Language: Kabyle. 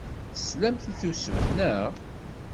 Teslamt i tusut, naɣ?